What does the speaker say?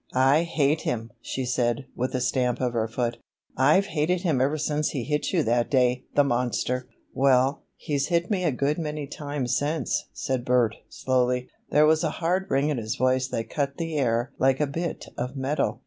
"I hate him!" she said, with a stamp of her foot. "I've hated him ever since he hit you that day, the monster!" "Well, he's hit me a good many times since," said Bert, slowly. There was a hard ring in his voice that cut the air like a bit of metal.